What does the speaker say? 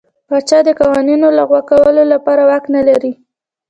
پاچا د قوانینو لغوه کولو واک نه لري.